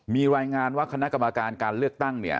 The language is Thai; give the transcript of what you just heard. มีรายงานว่าคณะกรรมการการเลือกตั้งเนี่ย